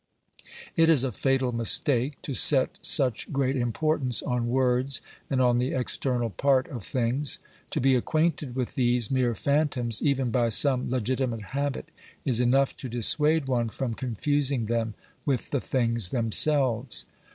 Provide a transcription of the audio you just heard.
It is a fatal mistake to set such great importance on words and on the external part of things. To be acquainted with these mere phantoms even by some legitimate habit is enough to dissuade one from confusing them with the things themselves.